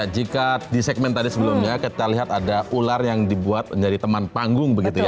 jika di segmen tadi sebelumnya kita lihat ada ular yang dibuat menjadi teman panggung begitu ya